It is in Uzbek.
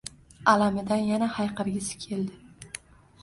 Alamidan yana hayqirgisi keldi.